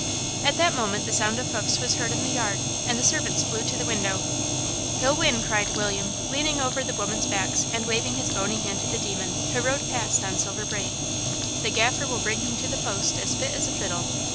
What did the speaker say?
At that moment the sound of hoofs was heard in the yard, and the servants flew to the window. "He'll win," cried William, leaning over the women's backs, waving his bony hand to the Demon, who rode past on Silver Braid. "The Gaffer will bring him to the post as fit as a fiddle."